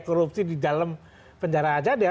korupsi di dalam penjara aja dia